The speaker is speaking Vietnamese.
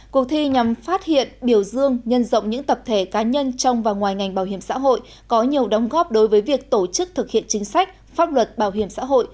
cuộc thi nhằm phát hiện biểu dương nhân rộng những tập thể cá nhân trong và ngoài ngành bảo hiểm xã hội có nhiều đóng góp đối với việc tổ chức thực hiện chính sách pháp luật bảo hiểm xã hội